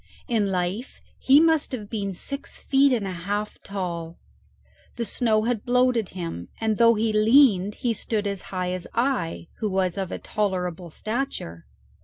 In life he must have been six feet and a half tall. The snow had bloated him, and though he leaned he stood as high as I, who was of a tolerable stature.